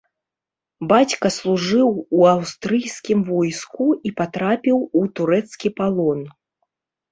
Бацька служыў у аўстрыйскім войску і патрапіў у турэцкі палон.